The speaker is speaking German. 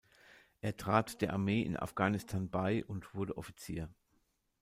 Er trat der Armee in Afghanistan bei und wurde Offizier.